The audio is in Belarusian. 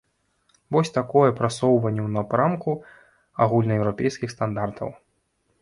Вось такое прасоўванне ў напрамку агульнаеўрапейскіх стандартаў.